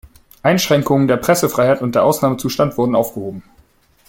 Einschränkungen der Pressefreiheit und der Ausnahmezustand wurden aufgehoben.